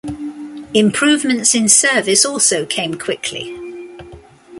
Improvements in service also came quickly.